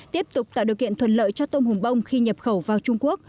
tiếp tục tạo điều kiện thuận lợi cho tôm hùm bông khi nhập khẩu vào trung quốc